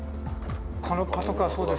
このパトカーそうです。